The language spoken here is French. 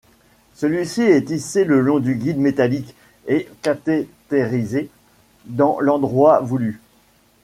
Celui-ci est hissé le long du guide métallique et cathétérisé dans l'endroit voulu.